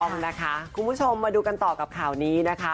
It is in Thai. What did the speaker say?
ต้องนะคะคุณผู้ชมมาดูกันต่อกับข่าวนี้นะคะ